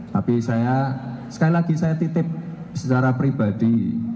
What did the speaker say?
tapi saya sekali lagi saya titip secara pribadi